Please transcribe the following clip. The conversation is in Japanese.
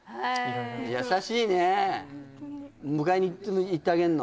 優しいね迎えに行ってあげるの？